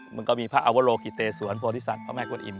มันก็มีพระอวโลกิเตสวนโพธิสัตว์พระแม่กวนอิม